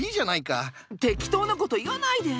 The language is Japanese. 適当なこと言わないで！